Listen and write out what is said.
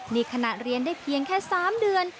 นี่ขณะเรียนได้เพียงแค่๓เดือน